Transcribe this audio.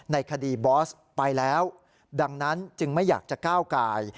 ในคดีบอสไปแล้วดังนั้นจึงไม่อยากจะก้าวกาย